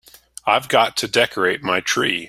I've got to decorate my tree.